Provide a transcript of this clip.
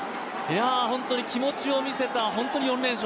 本当に気持ちを見せた、本当に４連勝。